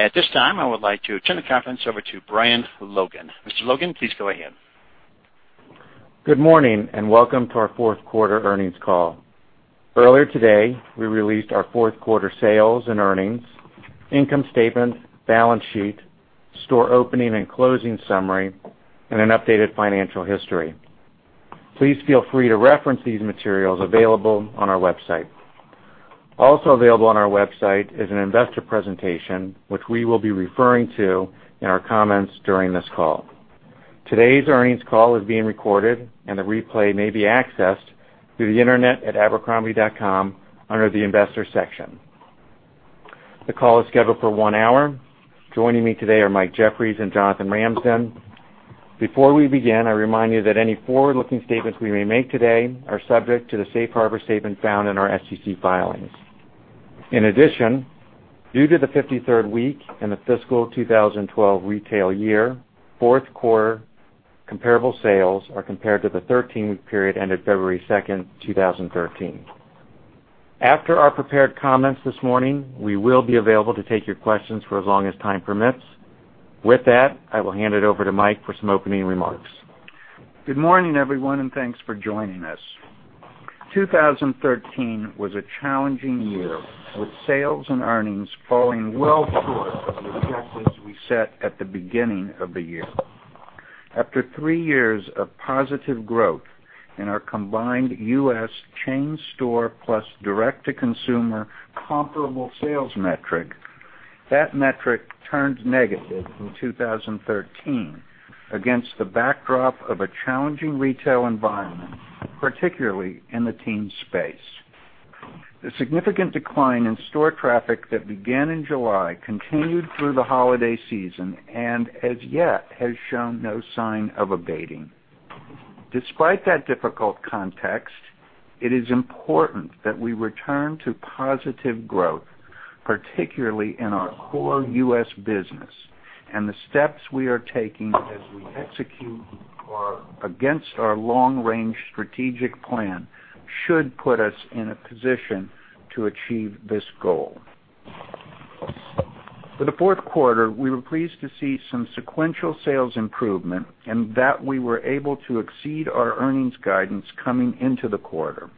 At this time, I would like to turn the conference over to Brian Logan. Mr. Logan, please go ahead. Good morning. Welcome to our fourth quarter earnings call. Earlier today, we released our fourth quarter sales and earnings, income statement, balance sheet, store opening and closing summary, and an updated financial history. Please feel free to reference these materials available on our website. Also available on our website is an investor presentation, which we will be referring to in our comments during this call. Today's earnings call is being recorded, and the replay may be accessed through the internet at abercrombie.com under the investor section. The call is scheduled for one hour. Joining me today are Mike Jeffries and Jonathan Ramsden. Before we begin, I remind you that any forward-looking statements we may make today are subject to the safe harbor statement found in our SEC filings. In addition, due to the 53rd week in the fiscal 2012 retail year, fourth quarter comparable sales are compared to the 13-week period ended February 2nd, 2013. After our prepared comments this morning, we will be available to take your questions for as long as time permits. With that, I will hand it over to Mike for some opening remarks. Good morning, everyone. Thanks for joining us. 2013 was a challenging year, with sales and earnings falling well short of the objectives we set at the beginning of the year. After three years of positive growth in our combined U.S. chain store plus direct-to-consumer comparable sales metric, that metric turned negative in 2013 against the backdrop of a challenging retail environment, particularly in the teen space. The significant decline in store traffic that began in July continued through the holiday season and as yet has shown no sign of abating. Despite that difficult context, it is important that we return to positive growth, particularly in our core U.S. business, and the steps we are taking as we execute against our long-range strategic plan should put us in a position to achieve this goal. For the fourth quarter, we were pleased to see some sequential sales improvement and that we were able to exceed our earnings guidance coming into the quarter.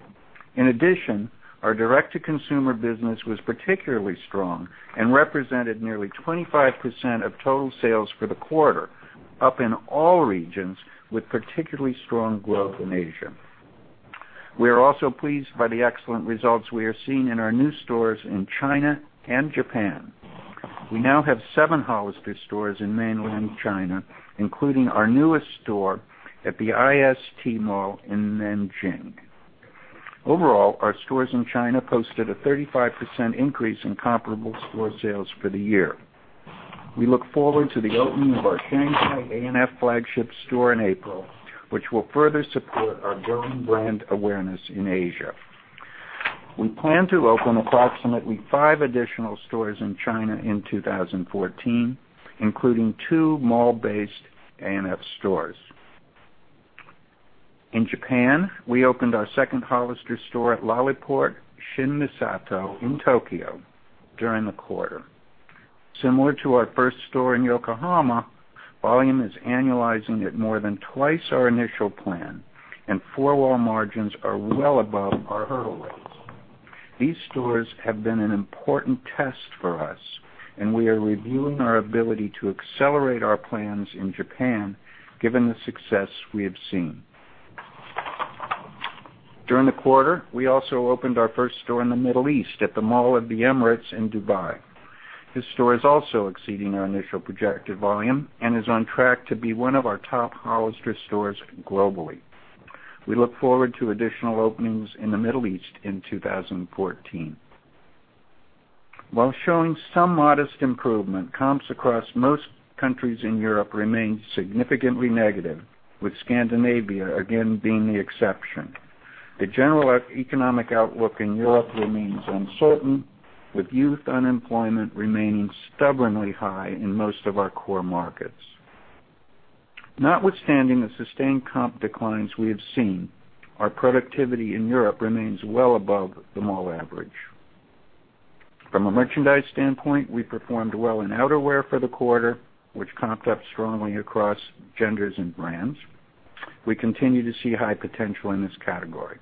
In addition, our direct-to-consumer business was particularly strong and represented nearly 25% of total sales for the quarter, up in all regions, with particularly strong growth in Asia. We are also pleased by the excellent results we are seeing in our new stores in China and Japan. We now have seven Hollister stores in mainland China, including our newest store at the IST Mall in Nanjing. Overall, our stores in China posted a 35% increase in comparable store sales for the year. We look forward to the opening of our Shanghai ANF flagship store in April, which will further support our growing brand awareness in Asia. We plan to open approximately five additional stores in China in 2014, including two mall-based ANF stores. In Japan, we opened our second Hollister store at LaLaport Shin-Misato in Tokyo during the quarter. Similar to our first store in Yokohama, volume is annualizing at more than twice our initial plan, and four-wall margins are well above our hurdle rates. These stores have been an important test for us, and we are reviewing our ability to accelerate our plans in Japan given the success we have seen. During the quarter, we also opened our first store in the Middle East at the Mall of the Emirates in Dubai. This store is also exceeding our initial projected volume and is on track to be one of our top Hollister stores globally. We look forward to additional openings in the Middle East in 2014. While showing some modest improvement, comps across most countries in Europe remained significantly negative, with Scandinavia again being the exception. The general economic outlook in Europe remains uncertain, with youth unemployment remaining stubbornly high in most of our core markets. Notwithstanding the sustained comp declines we have seen, our productivity in Europe remains well above the mall average. From a merchandise standpoint, we performed well in outerwear for the quarter, which comped up strongly across genders and brands. We continue to see high potential in this category.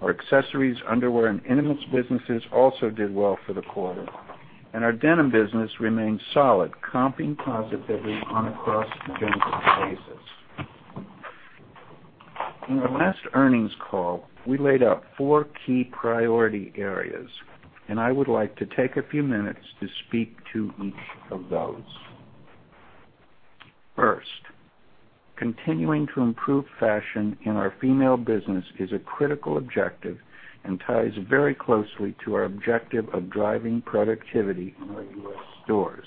Our accessories, underwear, and intimates businesses also did well for the quarter, and our denim business remains solid, comping positively on a cross-gender basis. In our last earnings call, we laid out four key priority areas. I would like to take a few minutes to speak to each of those. First, continuing to improve fashion in our female business is a critical objective and ties very closely to our objective of driving productivity in our U.S. stores.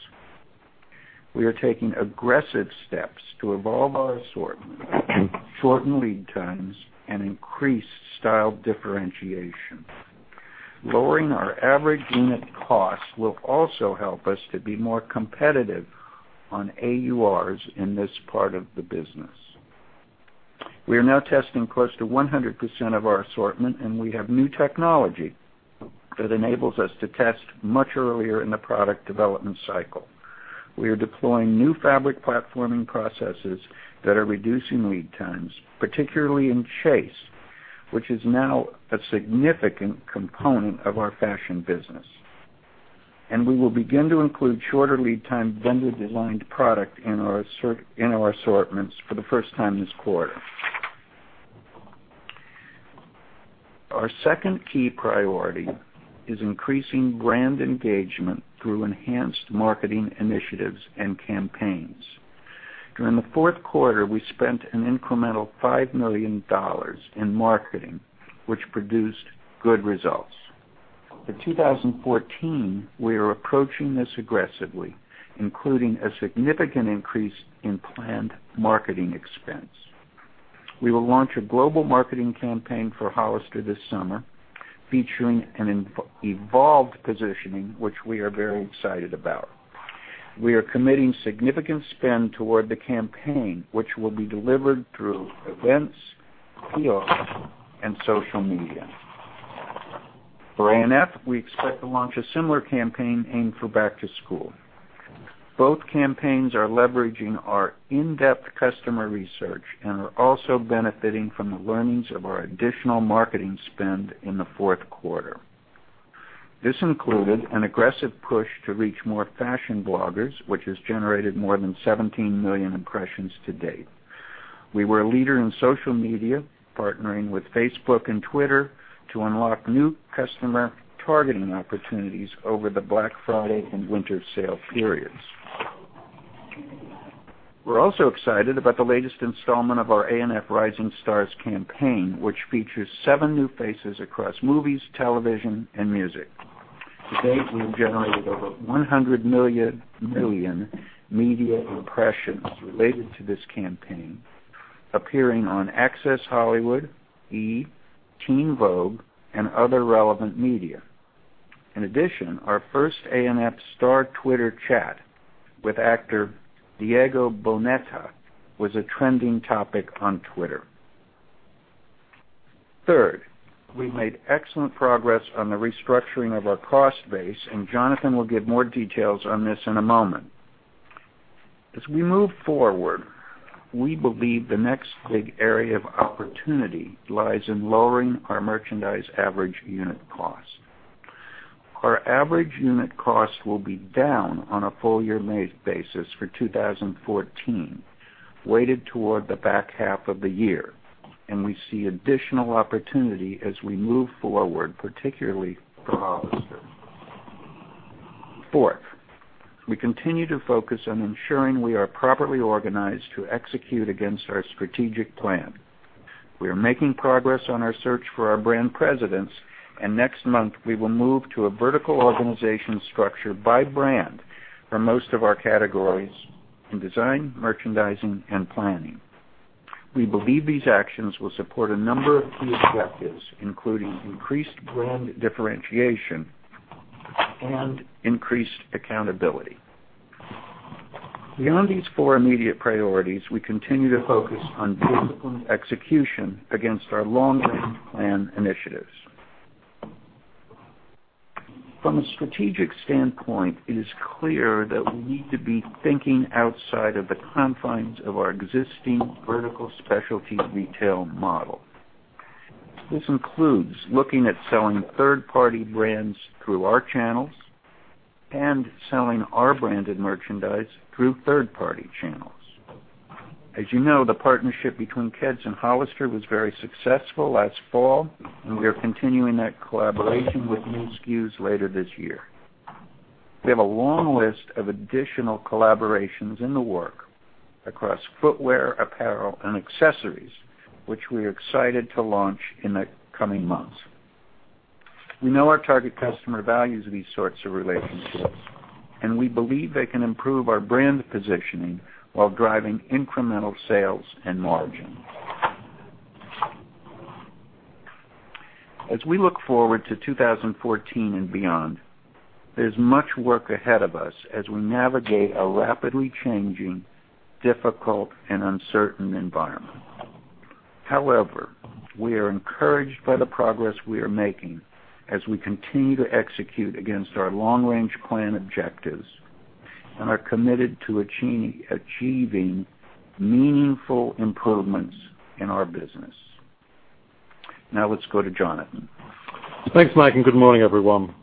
We are taking aggressive steps to evolve our assortment, shorten lead times, and increase style differentiation. Lowering our average unit cost will also help us to be more competitive on AURs in this part of the business. We are now testing close to 100% of our assortment. We have new technology that enables us to test much earlier in the product development cycle. We are deploying new fabric platforming processes that are reducing lead times, particularly in chase, which is now a significant component of our fashion business. We will begin to include shorter lead time vendor-designed product in our assortments for the first time this quarter. Our second key priority is increasing brand engagement through enhanced marketing initiatives and campaigns. During the fourth quarter, we spent an incremental $5 million in marketing, which produced good results. In 2014, we are approaching this aggressively, including a significant increase in planned marketing expense. We will launch a global marketing campaign for Hollister this summer featuring an evolved positioning, which we are very excited about. We are committing significant spend toward the campaign, which will be delivered through events, PR, and social media. For ANF, we expect to launch a similar campaign aimed for back to school. Both campaigns are leveraging our in-depth customer research and are also benefiting from the learnings of our additional marketing spend in the fourth quarter. This included an aggressive push to reach more fashion bloggers, which has generated more than 17 million impressions to date. We were a leader in social media, partnering with Facebook and Twitter to unlock new customer targeting opportunities over the Black Friday and winter sale periods. We are also excited about the latest installment of our ANF Stars on the Rise campaign, which features seven new faces across movies, television, and music. To date, we have generated over 100 million media impressions related to this campaign, appearing on Access Hollywood, E!, Teen Vogue, and other relevant media. In addition, our first ANF star Twitter chat with actor Diego Boneta was a trending topic on Twitter. Third, we made excellent progress on the restructuring of our cost base, and Jonathan will give more details on this in a moment. As we move forward, we believe the next big area of opportunity lies in lowering our merchandise average unit cost. Our average unit cost will be down on a full year basis for 2014, weighted toward the back half of the year, and we see additional opportunity as we move forward, particularly for Hollister. Fourth, we continue to focus on ensuring we are properly organized to execute against our strategic plan. We are making progress on our search for our brand presidents, and next month, we will move to a vertical organization structure by brand for most of our categories in design, merchandising, and planning. We believe these actions will support a number of key objectives, including increased brand differentiation and increased accountability. Beyond these four immediate priorities, we continue to focus on disciplined execution against our long-range plan initiatives. From a strategic standpoint, it is clear that we need to be thinking outside of the confines of our existing vertical specialty retail model. This includes looking at selling third-party brands through our channels and selling our branded merchandise through third-party channels. As you know, the partnership between Keds and Hollister was very successful last fall, and we are continuing that collaboration with new SKUs later this year. We have a long list of additional collaborations in the work across footwear, apparel, and accessories, which we are excited to launch in the coming months. We know our target customer values these sorts of relationships, and we believe they can improve our brand positioning while driving incremental sales and margin. As we look forward to 2014 and beyond, there is much work ahead of us as we navigate a rapidly changing, difficult, and uncertain environment. However, we are encouraged by the progress we are making as we continue to execute against our long-range plan objectives and are committed to achieving meaningful improvements in our business. Now let's go to Jonathan. Thanks, Mike, good morning, everyone.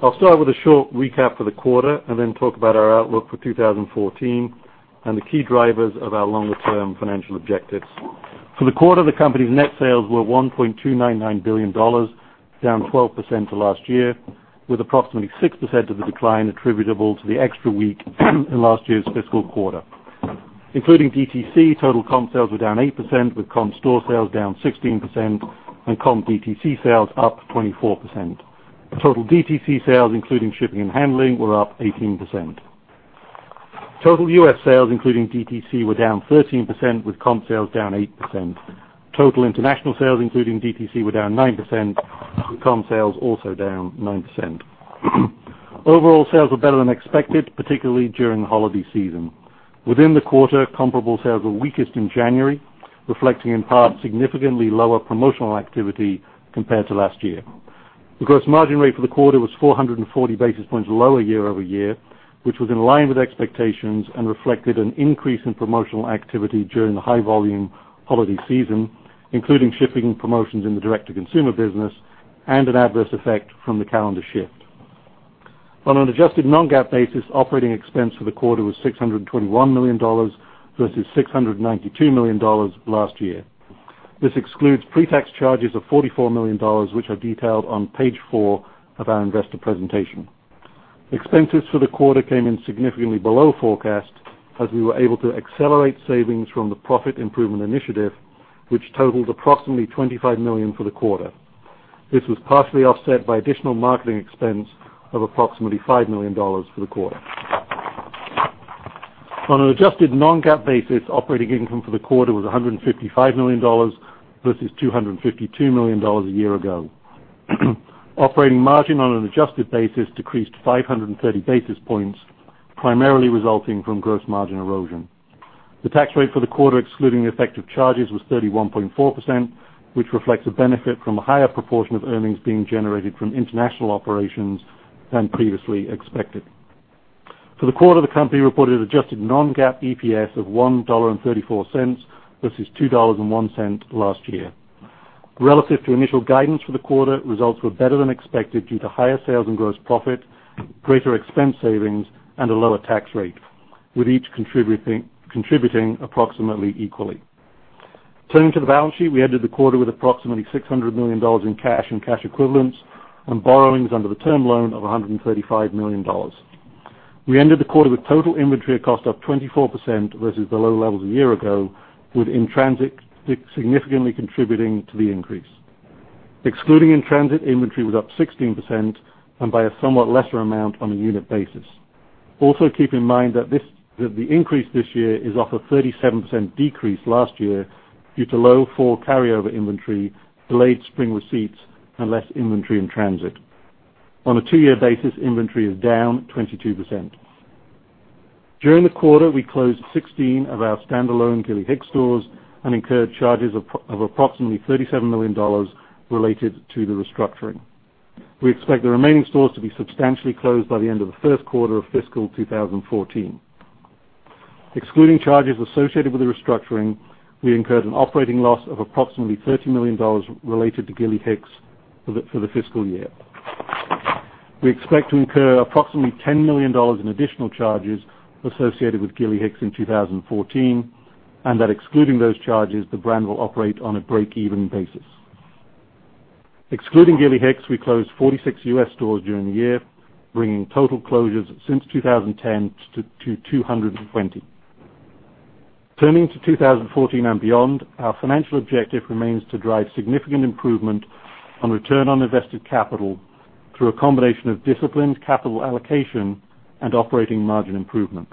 I'll start with a short recap for the quarter and then talk about our outlook for 2014 and the key drivers of our longer-term financial objectives. For the quarter, the company's net sales were $1.299 billion, down 12% to last year, with approximately 6% of the decline attributable to the extra week in last year's fiscal quarter. Including DTC, total comp sales were down 8%, with comp store sales down 16% and comp DTC sales up 24%. Total DTC sales, including shipping and handling, were up 18%. Total U.S. sales, including DTC, were down 13%, with comp sales down 8%. Total international sales, including DTC, were down 9%, with comp sales also down 9%. Overall sales were better than expected, particularly during the holiday season. Within the quarter, comparable sales were weakest in January, reflecting in part significantly lower promotional activity compared to last year. The gross margin rate for the quarter was 440 basis points lower year-over-year, which was in line with expectations and reflected an increase in promotional activity during the high-volume holiday season, including shipping promotions in the direct-to-consumer business and an adverse effect from the calendar shift. On an adjusted non-GAAP basis, operating expense for the quarter was $621 million versus $692 million last year. This excludes pretax charges of $44 million, which are detailed on page four of our investor presentation. Expenses for the quarter came in significantly below forecast as we were able to accelerate savings from the profit improvement initiative, which totaled approximately $25 million for the quarter. This was partially offset by additional marketing expense of approximately $5 million for the quarter. On an adjusted non-GAAP basis, operating income for the quarter was $155 million versus $252 million a year ago. Operating margin on an adjusted basis decreased 530 basis points, primarily resulting from gross margin erosion. The tax rate for the quarter, excluding the effect of charges, was 31.4%, which reflects a benefit from a higher proportion of earnings being generated from international operations than previously expected. For the quarter, the company reported adjusted non-GAAP EPS of $1.34 versus $2.01 last year. Relative to initial guidance for the quarter, results were better than expected due to higher sales and gross profit, greater expense savings, and a lower tax rate, with each contributing approximately equally. Turning to the balance sheet, we ended the quarter with approximately $600 million in cash and cash equivalents and borrowings under the term loan of $135 million. We ended the quarter with total inventory cost up 24% versus the low levels a year ago, with in-transit significantly contributing to the increase. Excluding in-transit, inventory was up 16% by a somewhat lesser amount on a unit basis. Also, keep in mind that the increase this year is off a 37% decrease last year due to low fall carryover inventory, delayed spring receipts, and less inventory in transit. On a two-year basis, inventory is down 22%. During the quarter, we closed 16 of our standalone Gilly Hicks stores and incurred charges of approximately $37 million related to the restructuring. We expect the remaining stores to be substantially closed by the end of the first quarter of fiscal 2014. Excluding charges associated with the restructuring, we incurred an operating loss of approximately $30 million related to Gilly Hicks for the fiscal year. We expect to incur approximately $10 million in additional charges associated with Gilly Hicks in 2014, that excluding those charges, the brand will operate on a break-even basis. Excluding Gilly Hicks, we closed 46 U.S. stores during the year, bringing total closures since 2010 to 220. Turning to 2014 and beyond, our financial objective remains to drive significant improvement on return on invested capital through a combination of disciplined capital allocation and operating margin improvement.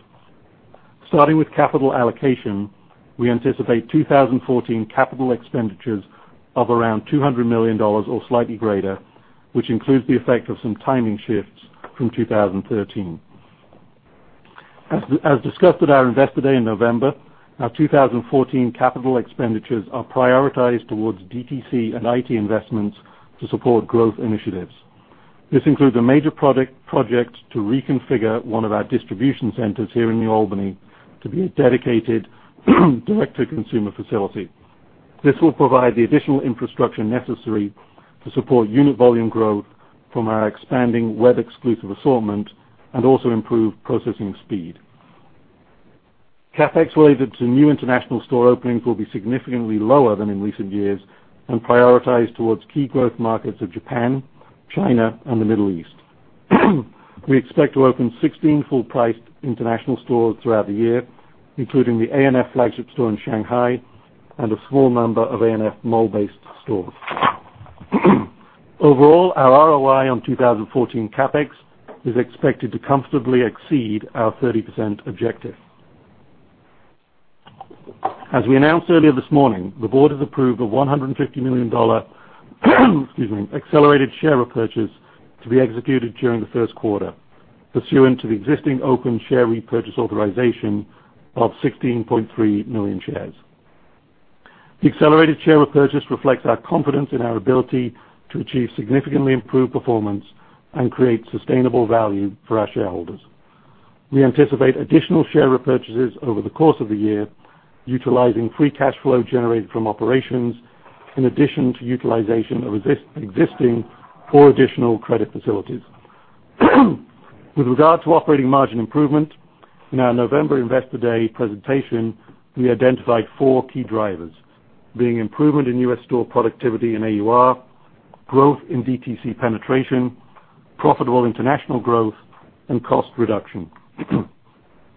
Starting with capital allocation, we anticipate 2014 CapEx of around $200 million or slightly greater, which includes the effect of some timing shifts from 2013. As discussed at our Investor Day in November, our 2014 CapEx are prioritized towards DTC and IT investments to support growth initiatives. This includes a major project to reconfigure one of our distribution centers here in New Albany to be a dedicated direct-to-consumer facility. This will provide the additional infrastructure necessary to support unit volume growth from our expanding web-exclusive assortment and also improve processing speed. CapEx related to new international store openings will be significantly lower than in recent years and prioritized towards key growth markets of Japan, China, and the Middle East. We expect to open 16 full-priced international stores throughout the year, including the ANF flagship store in Shanghai and a small number of ANF mall-based stores. Overall, our ROI on 2014 CapEx is expected to comfortably exceed our 30% objective. As we announced earlier this morning, the board has approved a $150 million accelerated share repurchase to be executed during the first quarter pursuant to the existing open share repurchase authorization of 16.3 million shares. The accelerated share repurchase reflects our confidence in our ability to achieve significantly improved performance and create sustainable value for our shareholders. We anticipate additional share repurchases over the course of the year, utilizing free cash flow generated from operations in addition to utilization of existing or additional credit facilities. With regard to operating margin improvement, in our November Investor Day presentation, we identified four key drivers, being improvement in U.S. store productivity and AUR, growth in DTC penetration, profitable international growth, and cost reduction.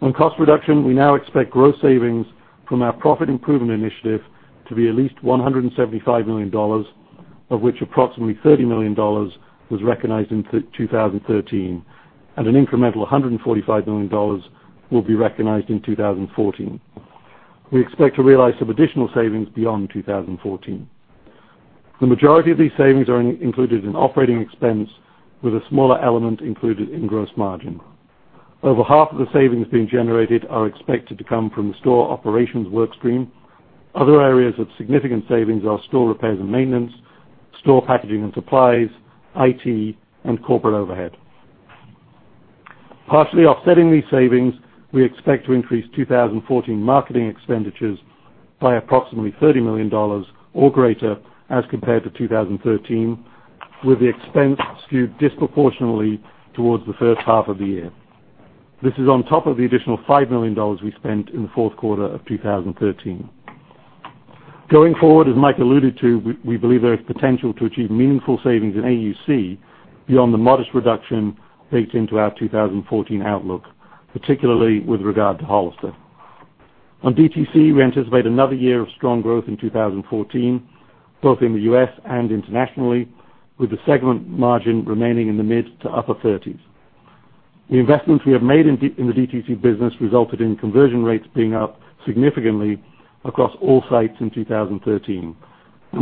On cost reduction, we now expect gross savings from our Profit Improvement Initiative to be at least $175 million, of which approximately $30 million was recognized in 2013, an incremental $145 million will be recognized in 2014. We expect to realize some additional savings beyond 2014. The majority of these savings are included in operating expense with a smaller element included in gross margin. Over half of the savings being generated are expected to come from the store operations work stream. Other areas of significant savings are store repairs and maintenance, store packaging and supplies, IT, and corporate overhead. Partially offsetting these savings, we expect to increase 2014 marketing expenditures by approximately $30 million or greater as compared to 2013, with the expense skewed disproportionately towards the first half of the year. This is on top of the additional $5 million we spent in the fourth quarter of 2013. Going forward, as Mike alluded to, we believe there is potential to achieve meaningful savings in AUC beyond the modest reduction baked into our 2014 outlook, particularly with regard to Hollister. On DTC, we anticipate another year of strong growth in 2014, both in the U.S. and internationally, with the segment margin remaining in the mid to upper 30s. The investments we have made in the DTC business resulted in conversion rates being up significantly across all sites since 2013.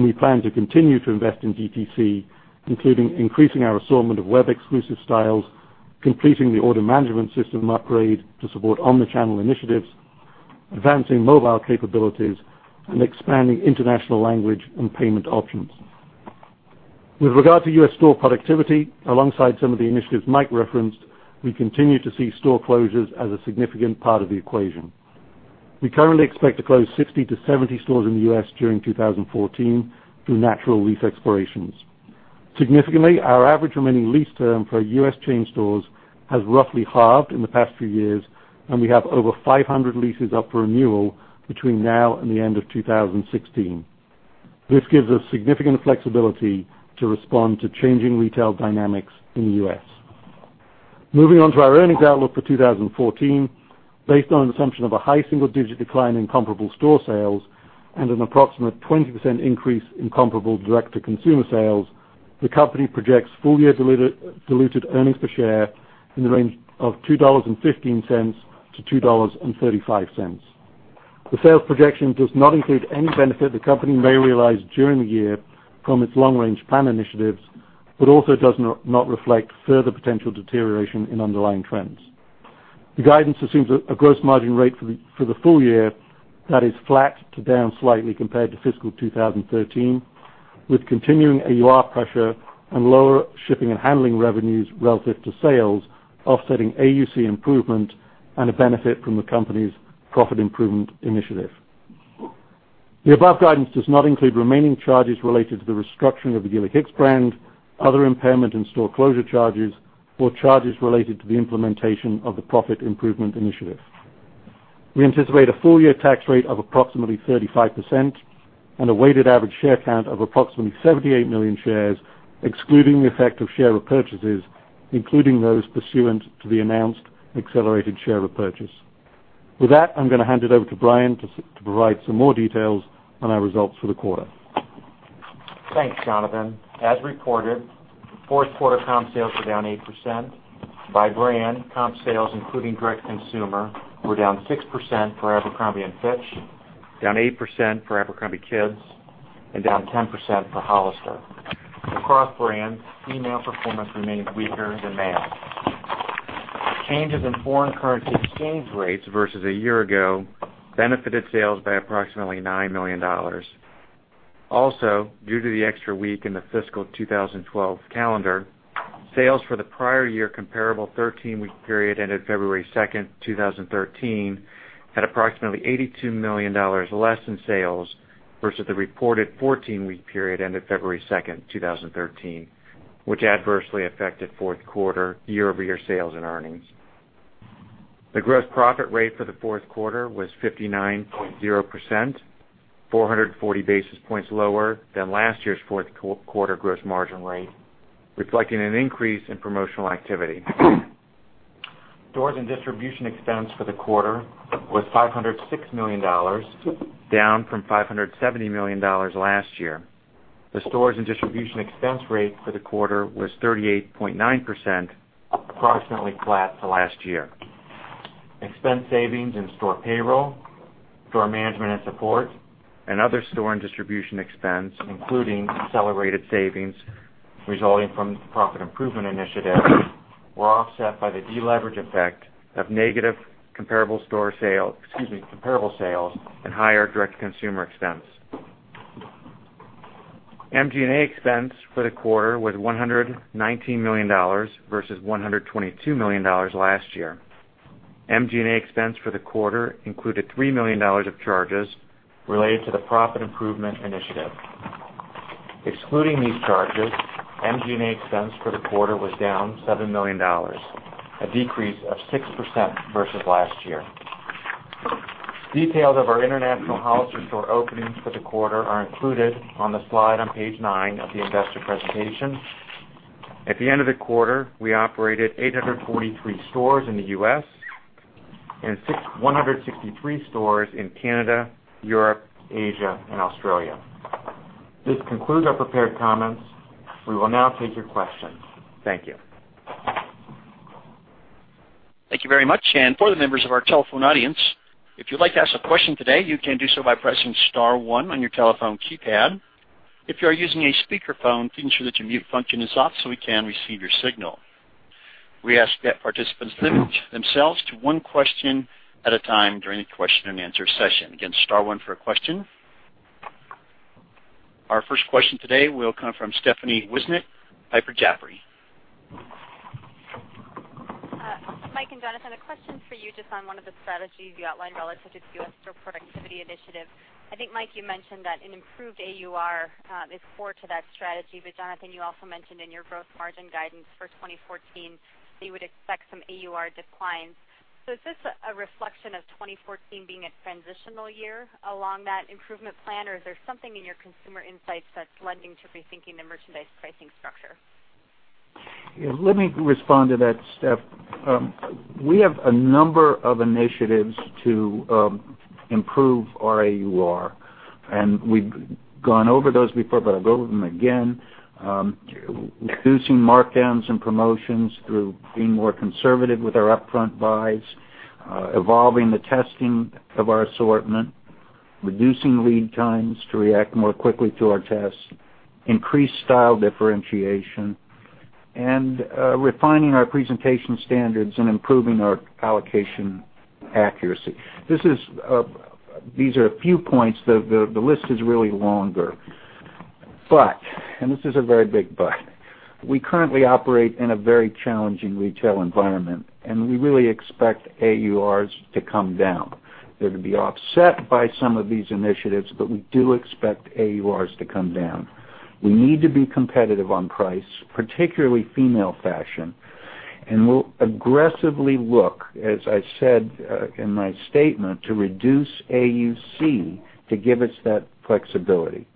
We plan to continue to invest in DTC, including increasing our assortment of web-exclusive styles, completing the order management system upgrade to support omni-channel initiatives, advancing mobile capabilities, and expanding international language and payment options. With regard to U.S. store productivity, alongside some of the initiatives Mike referenced, we continue to see store closures as a significant part of the equation. We currently expect to close 60-70 stores in the U.S. during 2014 through natural lease expirations. Significantly, our average remaining lease term for U.S. chain stores has roughly halved in the past few years, and we have over 500 leases up for renewal between now and the end of 2016. This gives us significant flexibility to respond to changing retail dynamics in the U.S. Moving on to our earnings outlook for 2014. Based on an assumption of a high single-digit decline in comparable store sales and an approximate 20% increase in comparable direct-to-consumer sales, the company projects full-year diluted EPS in the range of $2.15-$2.35. The sales projection does not include any benefit the company may realize during the year from its long-range plan initiatives, but also does not reflect further potential deterioration in underlying trends. The guidance assumes a gross margin rate for the full year that is flat to down slightly compared to fiscal 2013, with continuing AUR pressure and lower shipping and handling revenues relative to sales offsetting AUC improvement and a benefit from the company's Profit Improvement Initiative. The above guidance does not include remaining charges related to the restructuring of the Gilly Hicks brand, other impairment in store closure charges, or charges related to the implementation of the Profit Improvement Initiative. We anticipate a full-year tax rate of approximately 35% and a weighted average share count of approximately 78 million shares, excluding the effect of share repurchases, including those pursuant to the announced accelerated share repurchase. With that, I'm going to hand it over to Brian to provide some more details on our results for the quarter. Thanks, Jonathan. As reported, fourth quarter comp sales were down 8%. By brand, comp sales, including direct-to-consumer, were down 6% for Abercrombie & Fitch, down 8% for abercrombie kids, and down 10% for Hollister. Across brands, female performance remained weaker than male. Changes in foreign currency exchange rates versus a year ago benefited sales by approximately $9 million. Due to the extra week in the fiscal 2012 calendar, sales for the prior year comparable 13-week period ended February 2, 2013, had approximately $82 million less in sales versus the reported 14-week period ended February 2, 2013, which adversely affected fourth quarter year-over-year sales and earnings. The gross profit rate for the fourth quarter was 59.0%, 440 basis points lower than last year's fourth quarter gross margin rate, reflecting an increase in promotional activity. Stores and distribution expense for the quarter was $506 million, down from $570 million last year. The stores and distribution expense rate for the quarter was 38.9%, approximately flat to last year. Expense savings in store payroll, store management and support, and other store and distribution expense, including accelerated savings resulting from the Profit Improvement Initiative, were offset by the deleverage effect of negative comparable store sales, excuse me, comparable sales and higher direct-to-consumer expense. MGA expense for the quarter was $119 million versus $122 million last year. MGA expense for the quarter included $3 million of charges related to the Profit Improvement Initiative. Excluding these charges, MGA expense for the quarter was down $7 million, a decrease of 6% versus last year. Details of our international Hollister store openings for the quarter are included on the slide on page nine of the investor presentation. At the end of the quarter, we operated 843 stores in the U.S. and 163 stores in Canada, Europe, Asia, and Australia. This concludes our prepared comments. We will now take your questions. Thank you. Thank you very much. For the members of our telephone audience, if you'd like to ask a question today, you can do so by pressing star one on your telephone keypad. If you are using a speakerphone, please ensure that your mute function is off so we can receive your signal. We ask that participants limit themselves to one question at a time during the question and answer session. Again, star one for a question. Our first question today will come from Stephanie Wissink, Piper Jaffray. Mike and Jonathan, a question for you just on one of the strategies you outlined relative to store productivity initiative. I think, Mike, you mentioned that an improved AUR is core to that strategy. Jonathan, you also mentioned in your gross margin guidance for 2014 that you would expect some AUR declines. Is this a reflection of 2014 being a transitional year along that improvement plan, or is there something in your consumer insights that's lending to rethinking the merchandise pricing structure? Let me respond to that, Steph. We have a number of initiatives to improve our AUR. We've gone over those before, I'll go over them again. Reducing markdowns and promotions through being more conservative with our upfront buys, evolving the testing of our assortment, reducing lead times to react more quickly to our tests, increase style differentiation, and refining our presentation standards and improving our allocation accuracy. These are a few points. The list is really longer. This is a very big but, we currently operate in a very challenging retail environment. We really expect AURs to come down. They're to be offset by some of these initiatives. We do expect AURs to come down. We need to be competitive on price, particularly female fashion, and we'll aggressively look, as I said in my statement, to reduce AUC to give us that flexibility.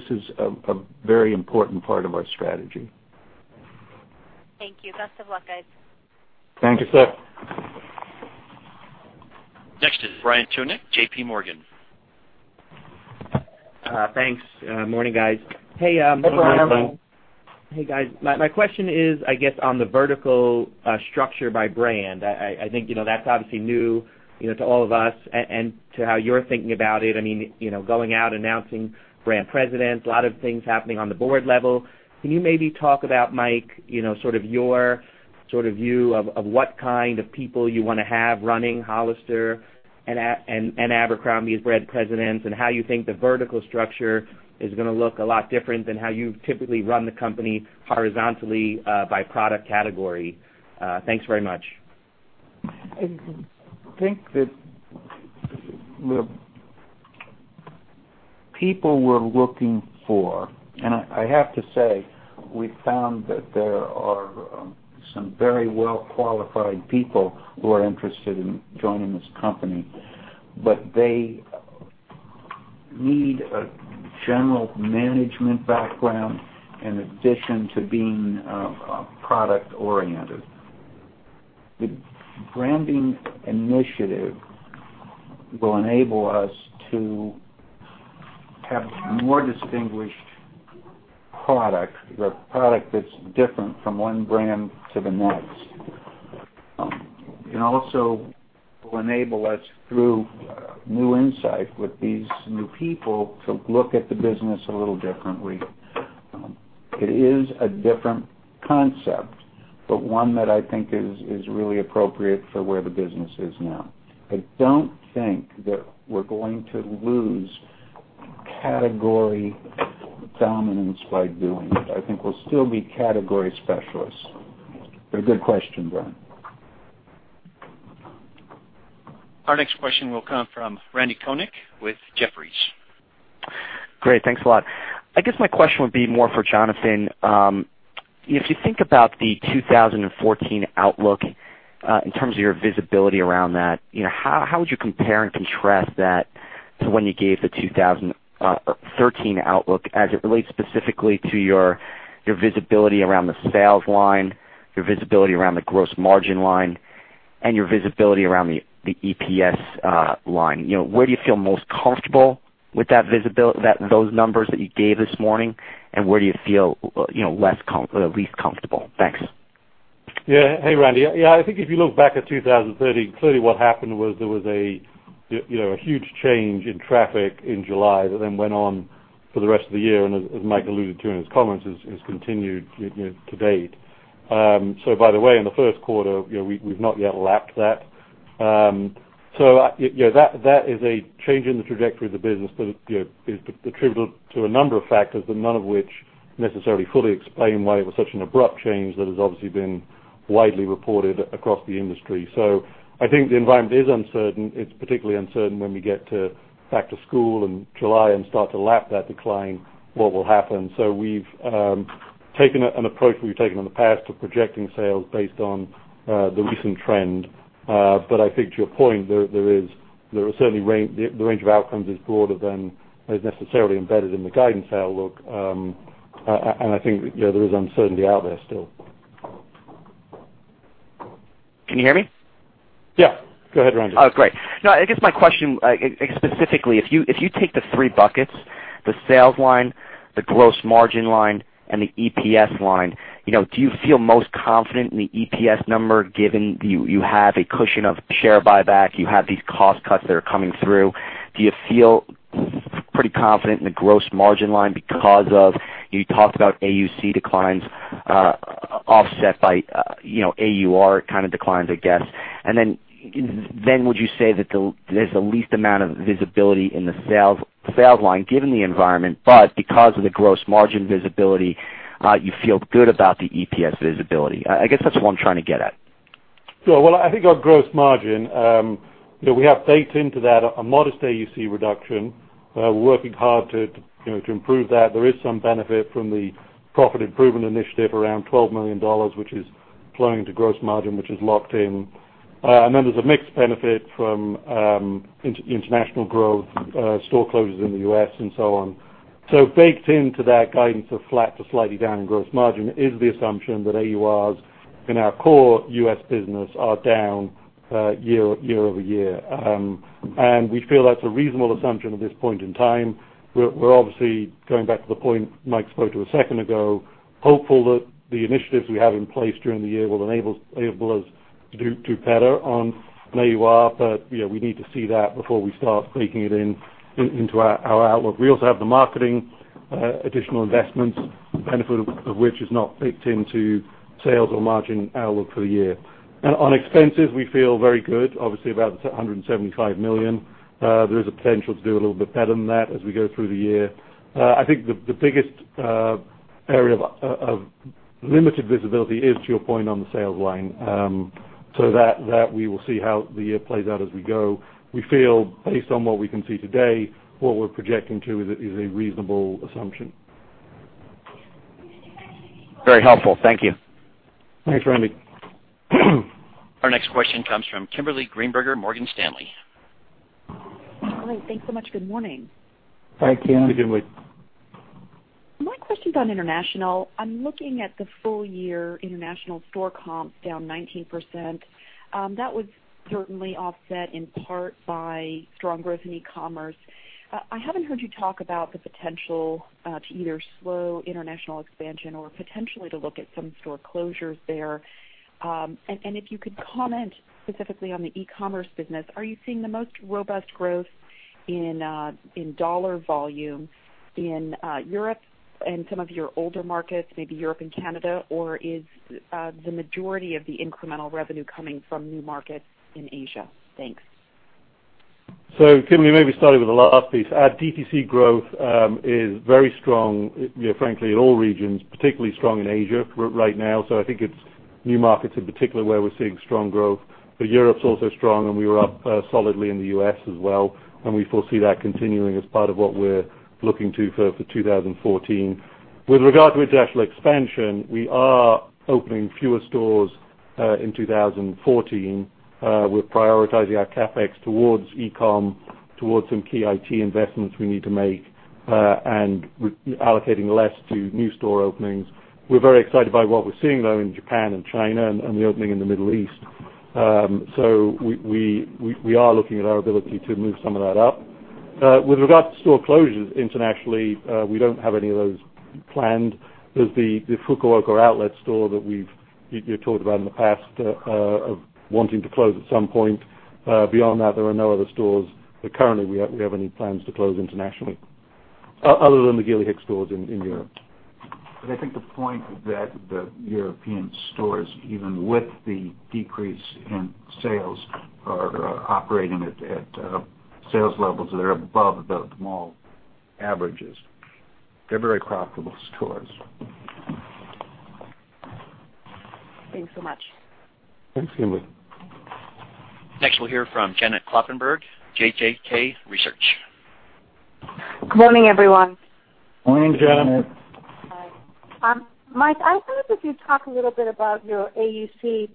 This is a very important part of our strategy. Thank you. Best of luck, guys. Thank you, Steph. Next is Brian Tunick, JPMorgan. Thanks. Morning, guys. Good morning, everyone. Hey, guys. My question is, I guess on the vertical structure by brand. I think that's obviously new to all of us and to how you're thinking about it. Going out, announcing brand presidents, a lot of things happening on the board level. Can you maybe talk about, Mike, sort of your view of what kind of people you want to have running Hollister and Abercrombie as brand presidents, and how you think the vertical structure is going to look a lot different than how you've typically run the company horizontally by product category? Thanks very much. I think that the people we're looking for, and I have to say, we found that there are some very well-qualified people who are interested in joining this company. They need a general management background in addition to being product-oriented. The branding initiative will enable us to have more distinguished product, the product that's different from one brand to the next. It also will enable us, through new insight with these new people, to look at the business a little differently. It is a different concept, but one that I think is really appropriate for where the business is now. I don't think that we're going to lose category dominance by doing it. I think we'll still be category specialists. A good question, Brian. Our next question will come from Randal Konik with Jefferies. Great. Thanks a lot. I guess my question would be more for Jonathan. If you think about the 2014 outlook in terms of your visibility around that, how would you compare and contrast that to when you gave the 2013 outlook as it relates specifically to your visibility around the sales line, your visibility around the gross margin line, and your visibility around the EPS line? Where do you feel most comfortable with those numbers that you gave this morning, and where do you feel least comfortable? Thanks. Yeah. Hey, Randy. I think if you look back at 2013, clearly what happened was there was a huge change in traffic in July that then went on for the rest of the year, and as Mike alluded to in his comments, has continued to date. By the way, in the first quarter, we've not yet lapped that. That is a change in the trajectory of the business that is attributable to a number of factors, but none of which necessarily fully explain why it was such an abrupt change that has obviously been widely reported across the industry. I think the environment is uncertain. It's particularly uncertain when we get back to school in July and start to lap that decline, what will happen. We've taken an approach that we've taken in the past of projecting sales based on the recent trend. I think to your point, certainly, the range of outcomes is broader than is necessarily embedded in the guidance outlook. I think there is uncertainty out there still. Can you hear me? Yeah. Go ahead, Randy. I guess my question, specifically, if you take the three buckets, the sales line, the gross margin line, and the EPS line, do you feel most confident in the EPS number, given you have a cushion of share buyback, you have these cost cuts that are coming through? Do you feel pretty confident in the gross margin line because of, you talked about AUC declines offset by AUR kind of declines, I guess? Would you say that there's the least amount of visibility in the sales line, given the environment, but because of the gross margin visibility, you feel good about the EPS visibility? I guess that's what I'm trying to get at. Sure. Well, I think our gross margin, we have baked into that a modest AUC reduction. We're working hard to improve that. There is some benefit from the profit improvement initiative, around $12 million, which is flowing into gross margin, which is locked in. There's a mixed benefit from international growth, store closures in the U.S., and so on. Baked into that guidance of flat to slightly down in gross margin is the assumption that AURs in our core U.S. business are down year-over-year. We feel that's a reasonable assumption at this point in time. We're obviously, going back to the point Mike spoke to a second ago, hopeful that the initiatives we have in place during the year will enable us to do better on an AUR. We need to see that before we start baking it into our outlook. We also have the marketing additional investments, the benefit of which is not baked into sales or margin outlook for the year. On expenses, we feel very good, obviously, about the $175 million. There is a potential to do a little bit better than that as we go through the year. I think the biggest area of limited visibility is to your point on the sales line. That we will see how the year plays out as we go. We feel, based on what we can see today, what we're projecting too, is a reasonable assumption. Very helpful. Thank you. Thanks, Randy. Our next question comes from Kimberly Greenberger, Morgan Stanley. Great. Thanks so much. Good morning. Hi, Kimberly. Hi, Kimberly. My question's on international. I'm looking at the full year international store comps down 19%. That was certainly offset in part by strong growth in e-commerce. I haven't heard you talk about the potential to either slow international expansion or potentially to look at some store closures there. If you could comment specifically on the e-commerce business, are you seeing the most robust growth in dollar volume in Europe and some of your older markets, maybe Europe and Canada? Or is the majority of the incremental revenue coming from new markets in Asia? Thanks. Kimberly, maybe starting with the last piece. Our DTC growth is very strong, frankly, in all regions, particularly strong in Asia right now. I think it's new markets in particular where we're seeing strong growth. Europe's also strong, and we were up solidly in the U.S. as well, and we foresee that continuing as part of what we're looking to for 2014. With regard to international expansion, we are opening fewer stores, in 2014. We're prioritizing our CapEx towards e-com, towards some key IT investments we need to make, and allocating less to new store openings. We're very excited by what we're seeing, though, in Japan and China and the opening in the Middle East. We are looking at our ability to move some of that up. With regard to store closures internationally, we don't have any of those planned. There's the Fukuoka Outlet store that you talked about in the past, of wanting to close at some point. Beyond that, there are no other stores that currently we have any plans to close internationally. Other than the Gilly Hicks stores in Europe. I think the point that the European stores, even with the decrease in sales, are operating at sales levels that are above the mall averages. They're very profitable stores. Thanks so much. Thanks, Kimberly. Next, we'll hear from Janet Kloppenburg, JJK Research. Good morning, everyone. Morning, Janet. Hi. Mike, I wonder if you'd talk a little bit about your AUC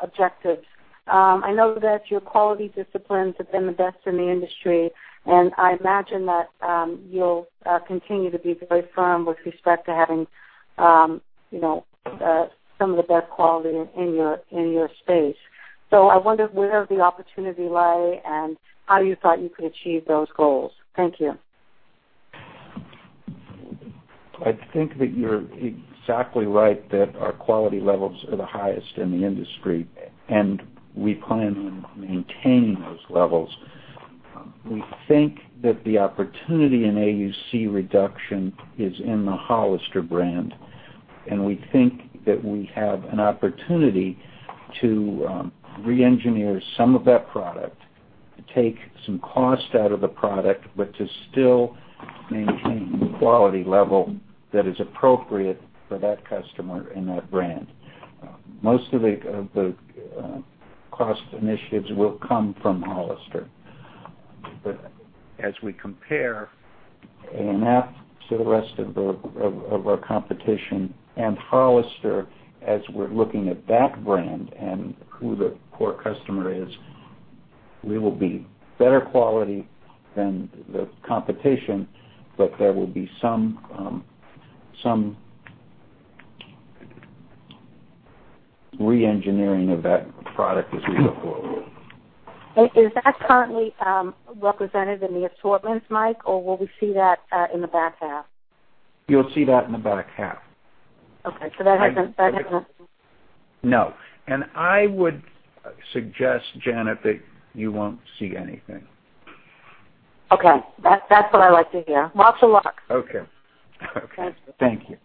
objectives. I know that your quality disciplines have been the best in the industry, and I imagine that you'll continue to be very firm with respect to having some of the best quality in your space. I wondered where the opportunity lay and how you thought you could achieve those goals. Thank you. I think that you're exactly right that our quality levels are the highest in the industry, and we plan on maintaining those levels. We think that the opportunity in AUC reduction is in the Hollister brand, and we think that we have an opportunity to re-engineer some of that product, to take some cost out of the product, but to still maintain the quality level that is appropriate for that customer and that brand. Most of the cost initiatives will come from Hollister. As we compare A&F to the rest of our competition and Hollister as we're looking at that brand and who the core customer is, we will be better quality than the competition, but there will be some Re-engineering of that product as we go forward. Is that currently represented in the assortments, Mike? Or will we see that in the back half? You'll see that in the back half. Okay. No. I would suggest, Janet, that you won't see anything. Okay. That's what I like to hear. Lots of luck. Okay. Thank you.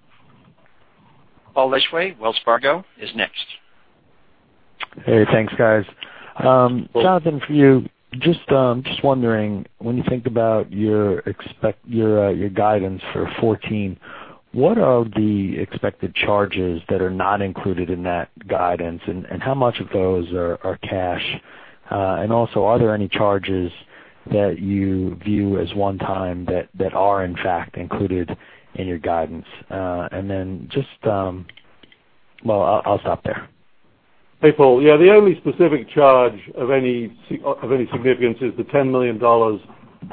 Paul Lejuez, Wells Fargo, is next. Hey, thanks, guys. Jonathan, for you, just wondering, when you think about your guidance for 2014, what are the expected charges that are not included in that guidance, and how much of those are cash? Are there any charges that you view as one time that are in fact included in your guidance? Well, I'll stop there. Hey, Paul. Yeah. The only specific charge of any significance is the $10 million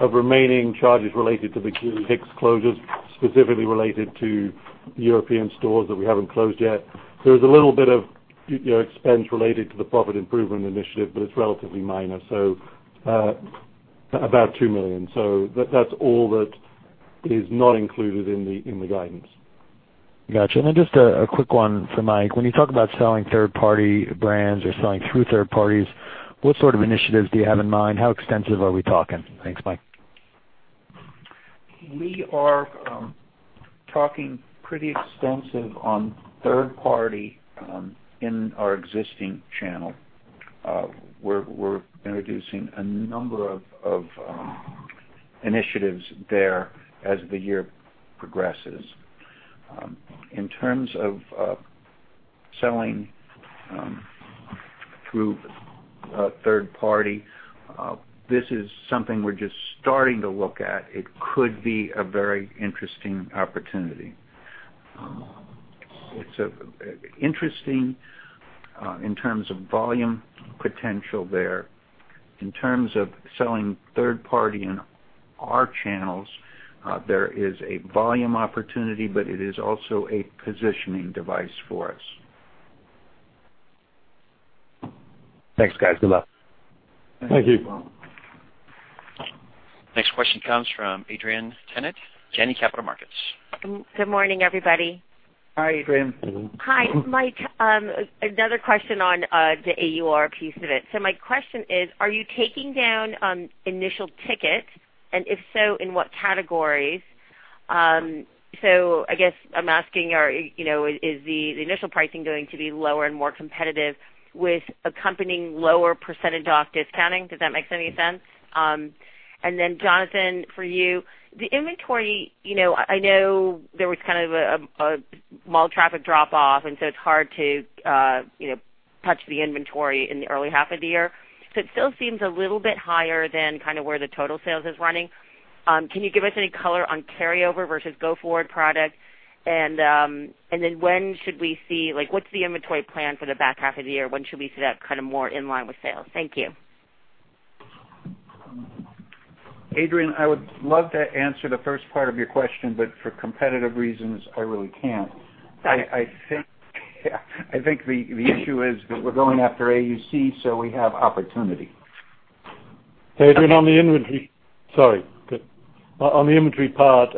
of remaining charges related to the Gilly Hicks closures, specifically related to European stores that we haven't closed yet. There's a little bit of expense related to the profit improvement initiative, but it's relatively minor. About $2 million. That's all that is not included in the guidance. Got you. Just a quick one for Mike. When you talk about selling third-party brands or selling through third parties, what sort of initiatives do you have in mind? How extensive are we talking? Thanks, Mike. We are talking pretty extensive on third party in our existing channel. We're introducing a number of initiatives there as the year progresses. In terms of selling through third party, this is something we're just starting to look at. It could be a very interesting opportunity. It's interesting in terms of volume potential there. In terms of selling third party in our channels, there is a volume opportunity, but it is also a positioning device for us. Thanks, guys. Good luck. Thank you. Thank you. Next question comes from Adrienne Tennant, Janney Capital Markets. Good morning, everybody. Hi, Adrienne. Hi. Mike, another question on the AUR piece of it. My question is, are you taking down initial ticket? If so, in what categories? I guess I'm asking, is the initial pricing going to be lower and more competitive with accompanying lower percentage off discounting? Does that make any sense? Jonathan, for you, the inventory, I know there was kind of a mall traffic drop off, it's hard to touch the inventory in the early half of the year. It still seems a little bit higher than where the total sales is running. Can you give us any color on carryover versus go forward product? When should we see, like, what's the inventory plan for the back half of the year? When should we see that kind of more in line with sales? Thank you. Adrienne, I would love to answer the first part of your question, for competitive reasons, I really can't. Got it. I think the issue is that we're going after AUC. We have opportunity. Adrienne, Sorry. On the inventory part,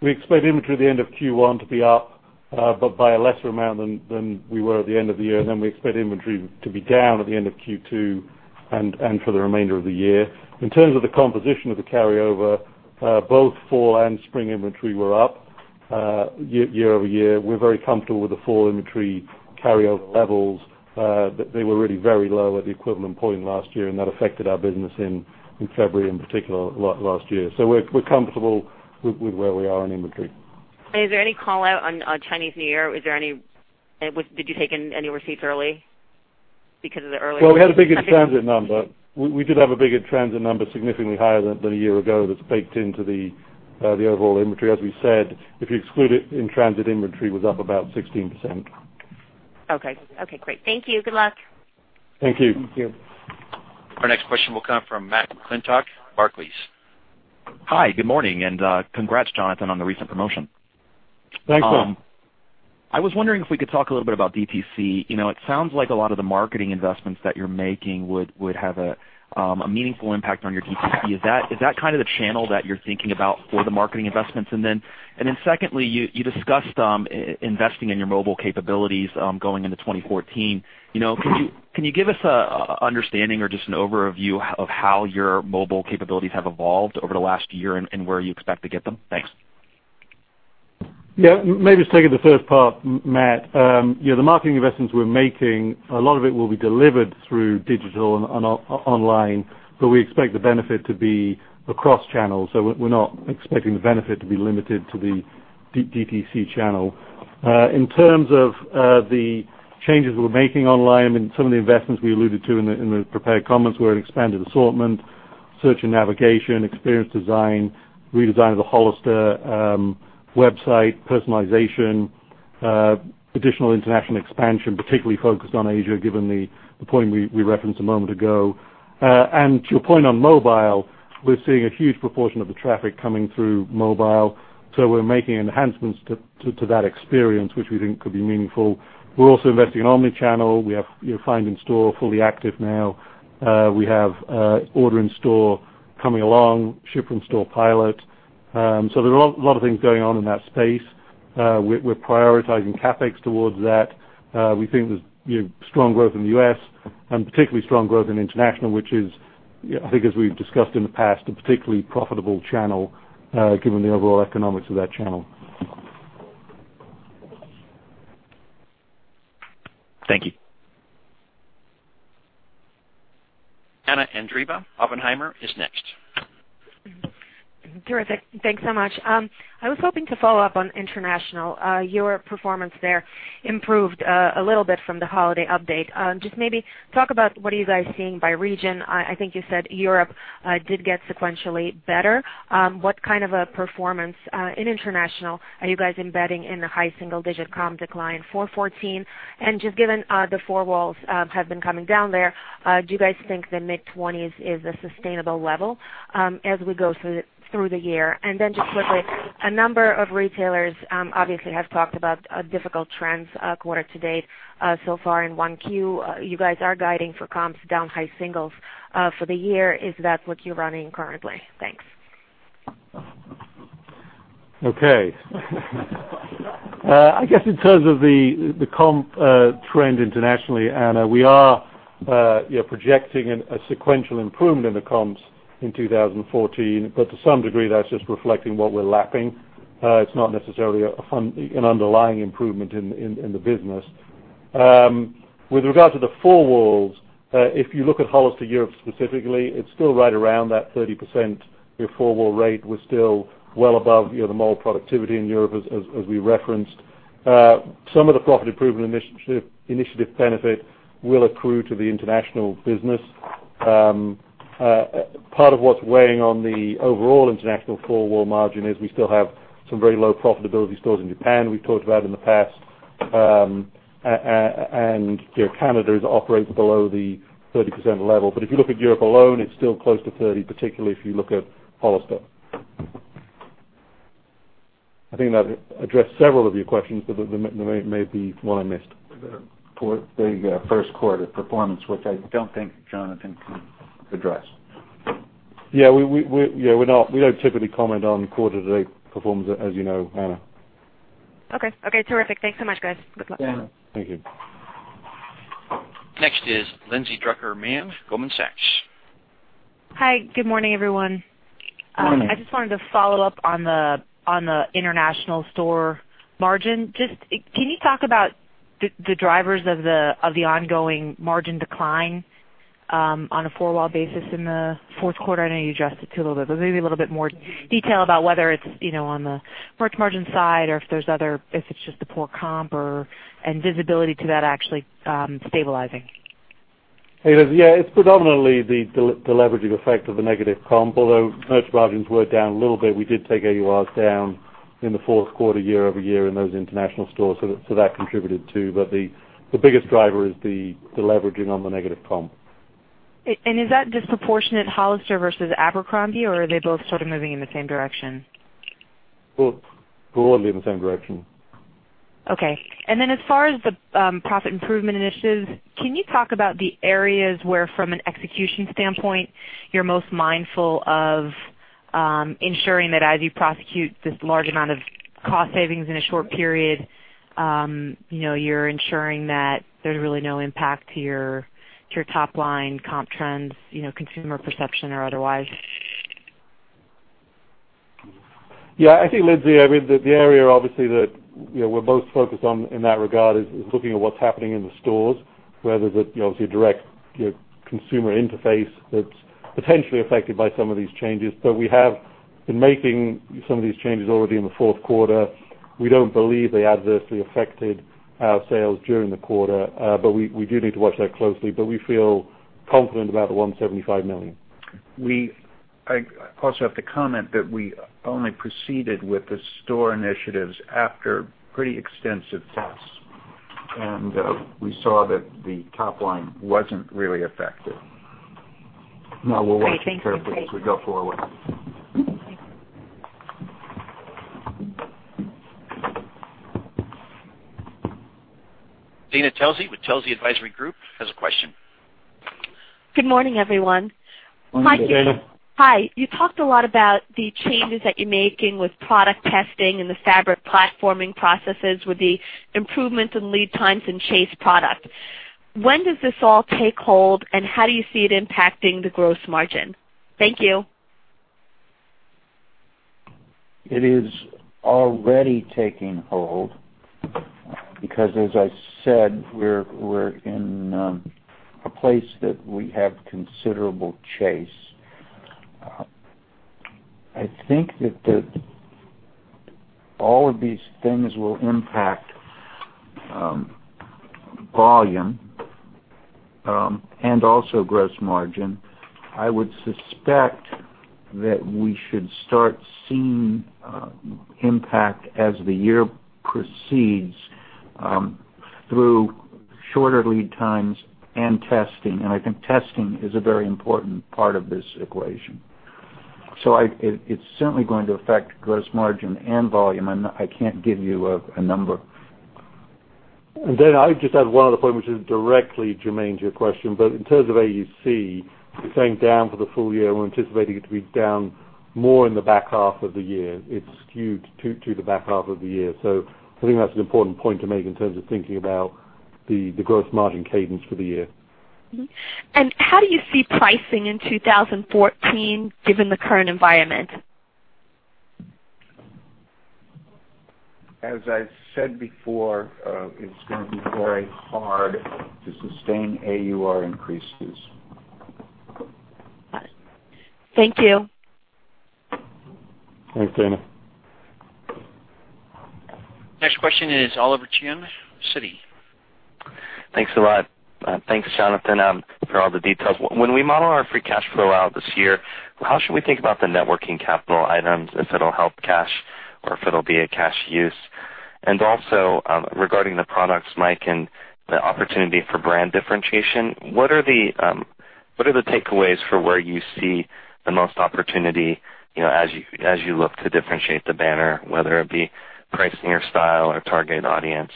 we expect inventory at the end of Q1 to be up, by a lesser amount than we were at the end of the year. We expect inventory to be down at the end of Q2 and for the remainder of the year. In terms of the composition of the carryover, both fall and spring inventory were up year-over-year. We're very comfortable with the fall inventory carryover levels. They were really very low at the equivalent point last year, and that affected our business in February in particular last year. We're comfortable with where we are on inventory. Is there any call-out on Chinese New Year? Did you take in any receipts early because of the early- Well, we had a bigger transit number. We did have a bigger transit number, significantly higher than a year ago. That's baked into the overall inventory. As we said, if you exclude it, in-transit inventory was up about 16%. Okay. Okay, great. Thank you. Good luck. Thank you. Thank you. Our next question will come from Matthew McClintock, Barclays. Hi, good morning, and congrats, Jonathan, on the recent promotion. Thanks, Matt. I was wondering if we could talk a little bit about DTC. It sounds like a lot of the marketing investments that you're making would have a meaningful impact on your DTC. Is that kind of the channel that you're thinking about for the marketing investments? Secondly, you discussed investing in your mobile capabilities going into 2014. Can you give us an understanding or just an overview of how your mobile capabilities have evolved over the last year and where you expect to get them? Thanks. Maybe just taking the first part, Matt. The marketing investments we're making, a lot of it will be delivered through digital and online, but we expect the benefit to be across channels. We're not expecting the benefit to be limited to the DTC channel. In terms of the changes we're making online, some of the investments we alluded to in the prepared comments were an expanded assortment, search and navigation, experience design, redesign of the Hollister website, personalization Additional international expansion, particularly focused on Asia, given the point we referenced a moment ago. To your point on mobile, we're seeing a huge proportion of the traffic coming through mobile. We're making enhancements to that experience, which we think could be meaningful. We're also investing in omni-channel. We have Find in Store fully active now. We have Order in Store coming along, Ship from Store pilot. There are a lot of things going on in that space. We're prioritizing CapEx towards that. We think there's strong growth in the U.S. and particularly strong growth in international, which is, I think as we've discussed in the past, a particularly profitable channel, given the overall economics of that channel. Thank you. Anna Andreeva, Oppenheimer, is next. Terrific. Thanks so much. I was hoping to follow up on international. Your performance there improved a little bit from the holiday update. Maybe talk about what are you guys seeing by region. I think you said Europe did get sequentially better. What kind of a performance in international are you guys embedding in the high single-digit comp decline for 2014? Given the four walls have been coming down there, do you guys think the mid-20s is a sustainable level as we go through the year? Quickly, a number of retailers obviously have talked about difficult trends quarter to date so far in Q1. You guys are guiding for comps down high singles for the year. Is that what you're running currently? Thanks. Okay. I guess in terms of the comp trend internationally, Anna, we are projecting a sequential improvement in the comps in 2014, but to some degree, that's just reflecting what we're lapping. It's not necessarily an underlying improvement in the business. With regard to the four walls, if you look at Hollister Europe specifically, it's still right around that 30% four-wall rate. We're still well above the mall productivity in Europe as we referenced. Some of the profit improvement initiative benefit will accrue to the international business. Part of what's weighing on the overall international four-wall margin is we still have some very low profitability stores in Japan, we've talked about in the past. Canada is operating below the 30% level. If you look at Europe alone, it's still close to 30%, particularly if you look at Hollister. I think that addressed several of your questions. There may be one I missed. The first quarter performance, which I don't think Jonathan can address. Yeah, we don't typically comment on quarter-to-date performance, as you know, Anna. Okay. Terrific. Thanks so much, guys. Good luck. Yeah. Thank you. Next is Lindsay Drucker Mann, Goldman Sachs. Hi, good morning, everyone. Good morning. I just wanted to follow up on the international store margin. Just can you talk about the drivers of the ongoing margin decline on a four-wall basis in the fourth quarter? I know you addressed it too a little bit, but maybe a little bit more detail about whether it's on the merch margin side or if it's just a poor comp, and visibility to that actually stabilizing. Hey, Lindsay. Yeah, it's predominantly the deleveraging effect of the negative comp, although merch margins were down a little bit. We did take AURs down in the fourth quarter year-over-year in those international stores, that contributed too. The biggest driver is the deleveraging on the negative comp. Is that disproportionate Hollister versus Abercrombie, or are they both sort of moving in the same direction? Both broadly in the same direction. Okay. As far as the profit improvement initiatives, can you talk about the areas where, from an execution standpoint, you're most mindful of ensuring that as you prosecute this large amount of cost savings in a short period, you're ensuring that there's really no impact to your top-line comp trends, consumer perception or otherwise? I think, Lindsay, the area obviously that we're most focused on in that regard is looking at what's happening in the stores. Where there's obviously a direct consumer interface that's potentially affected by some of these changes. We have been making some of these changes already in the fourth quarter. We don't believe they adversely affected our sales during the quarter, but we do need to watch that closely. We feel confident about the $175 million. I also have to comment that we only proceeded with the store initiatives after pretty extensive tests. We saw that the top line wasn't really affected. Great. Thank you. Now we'll watch it carefully as we go forward. Thank you. Dana Telsey with Telsey Advisory Group has a question. Good morning, everyone. Morning, Dana. Hi. You talked a lot about the changes that you're making with product testing and the fabric platforming processes with the improvements in lead times and chase product. When does this all take hold, and how do you see it impacting the gross margin? Thank you. It is already taking hold because, as I said, we're in a place that we have considerable chase. I think that all of these things will impact volume. Also gross margin. I would suspect that we should start seeing impact as the year proceeds through shorter lead times and testing. I think testing is a very important part of this equation. It's certainly going to affect gross margin and volume, and I can't give you a number. I just had one other point, which is directly germane to your question. In terms of AUC, it's saying down for the full year. We're anticipating it to be down more in the back half of the year. It's skewed to the back half of the year. I think that's an important point to make in terms of thinking about the gross margin cadence for the year. How do you see pricing in 2014, given the current environment? As I've said before, it's going to be very hard to sustain AUR increases. Thank you. Thanks, Dana. Next question is Oliver Chen, Citi. Thanks a lot. Thanks, Jonathan, for all the details. When we model our free cash flow out this year, how should we think about the networking capital items, if it'll help cash or if it'll be a cash use? Also, regarding the products, Mike, and the opportunity for brand differentiation, what are the takeaways for where you see the most opportunity, as you look to differentiate the banner, whether it be pricing or style or target audience?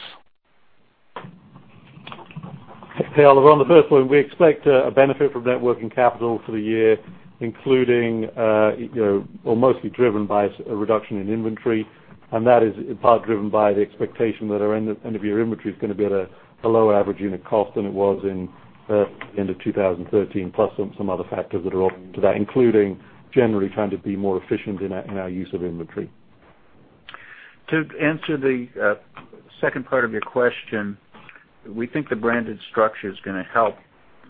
Hey, Oliver. On the first point, we expect a benefit from net working capital for the year, including, or mostly driven by a reduction in inventory. That is in part driven by the expectation that our end-of-year inventory is going to be at a lower average unit cost than it was in the end of 2013, plus some other factors that are all into that, including generally trying to be more efficient in our use of inventory. To answer the second part of your question, we think the branded structure is going to help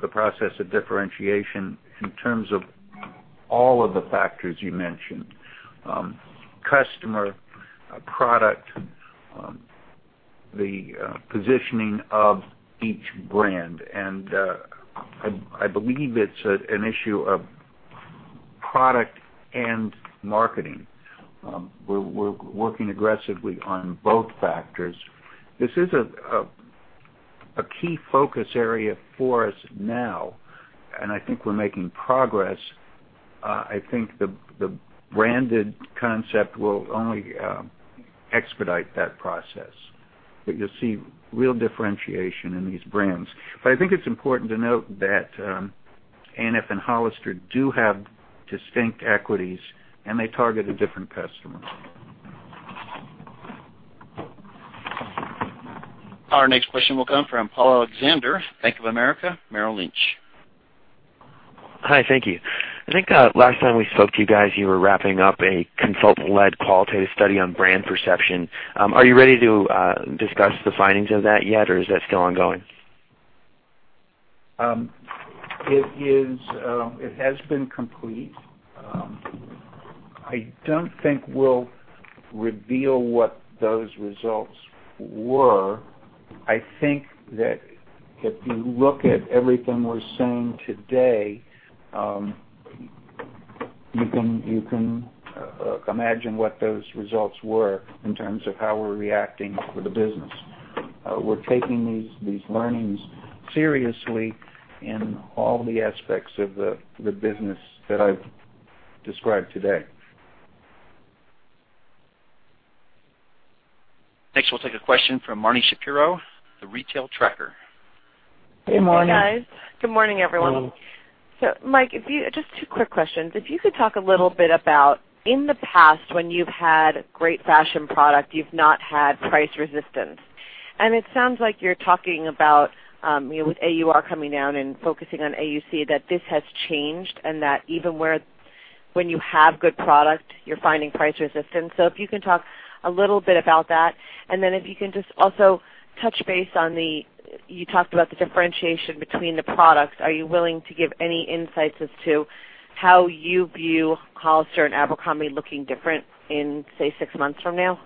the process of differentiation in terms of all of the factors you mentioned: customer, product, the positioning of each brand. I believe it's an issue of product and marketing. We're working aggressively on both factors. This is a key focus area for us now, and I think we're making progress. I think the branded concept will only expedite that process. You'll see real differentiation in these brands. I think it's important to note that ANF and Hollister do have distinct equities, and they target a different customer. Our next question will come from Paul Alexander, Bank of America Merrill Lynch. Hi, thank you. I think last time we spoke to you guys, you were wrapping up a consult-led qualitative study on brand perception. Are you ready to discuss the findings of that yet, or is that still ongoing? It has been complete. I don't think we'll reveal what those results were. I think that if you look at everything we're saying today, you can imagine what those results were in terms of how we're reacting with the business. We're taking these learnings seriously in all the aspects of the business that I've described today. Next, we'll take a question from Marni Shapiro, The Retail Tracker. Hey, Marni. Hey, guys. Good morning, everyone. Hello. Mike, just 2 quick questions. If you could talk a little bit about, in the past, when you've had great fashion product, you've not had price resistance. It sounds like you're talking about, with AUR coming down and focusing on AUC, that this has changed, and that even when you have good product, you're finding price resistance. If you can talk a little bit about that, and then if you can just also touch base on the You talked about the differentiation between the products. Are you willing to give any insights as to how you view Hollister and Abercrombie looking different in, say, 6 months from now?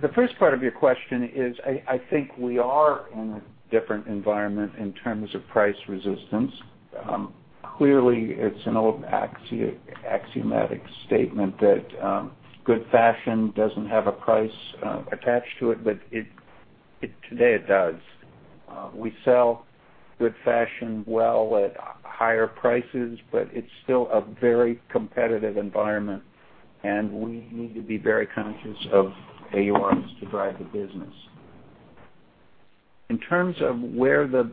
The first part of your question is, I think we are in a different environment in terms of price resistance. Clearly, it's an old axiomatic statement that good fashion doesn't have a price attached to it, but today it does. We sell good fashion well at higher prices, but it's still a very competitive environment, and we need to be very conscious of AURs to drive the business. In terms of where the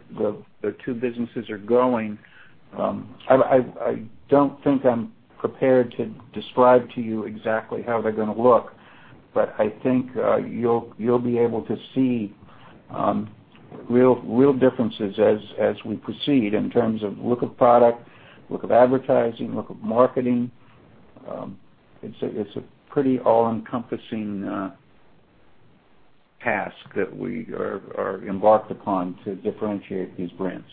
2 businesses are going, I don't think I'm prepared to describe to you exactly how they're going to look. I think you'll be able to see real differences as we proceed in terms of look of product, look of advertising, look of marketing. It's a pretty all-encompassing task that we are embarked upon to differentiate these brands.